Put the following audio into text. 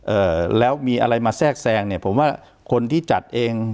เอ่อแล้วมีอะไรมาแทรกแซงเนี่ยผมว่าคนที่จัดเอง